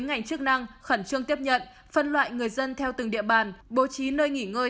ngành chức năng khẩn trương tiếp nhận phân loại người dân theo từng địa bàn bố trí nơi nghỉ ngơi